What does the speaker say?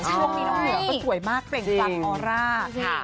ช่วงนี้น้องเหนือก็สวยมากเปล่งปรังออร่า